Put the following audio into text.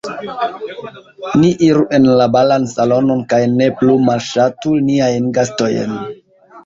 Ni iru en la balan salonon kaj ne plu malŝatu niajn gastojn.